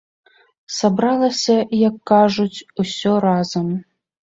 Сабралася, як кажуць, усё разам.